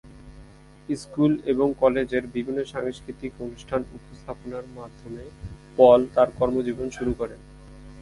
School এবং কলেজের বিভিন্ন সাংস্কৃতিক অনুষ্ঠান উপস্থাপনার মাধ্যমে পল তার কর্মজীবন শুরু করেন।